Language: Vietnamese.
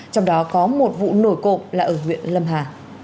trong đó có một vụ nổi cộng là ở huyện lâm hà